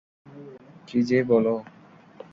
কি যে বলো?